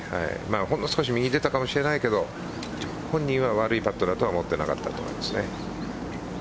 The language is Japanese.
ほんの少し右に出たかもしれないけど本人は悪いパットではなかったと思います。